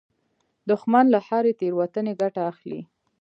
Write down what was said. دښمن له هرې تېروتنې ګټه اخلي